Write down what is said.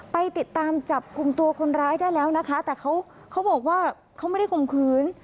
ไปติดตามจับกลุ่มตัวคนร้ายได้แล้วนะคะแต่เขาเขาบอกว่าเขาไม่ได้ข่มขืน